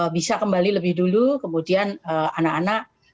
bisa kembali lebih dulu kemudian anak anak